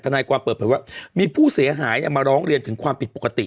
นายความเปิดเผยว่ามีผู้เสียหายมาร้องเรียนถึงความผิดปกติ